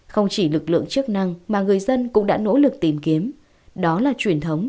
không chỉ lực lượng chức năng mà người dân cũng đã nỗ lực tìm kiếm đó là truyền thống